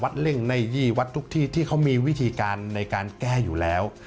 เร่งในวัดทุกที่ที่เขามีวิธีการในการแก้อยู่แล้ว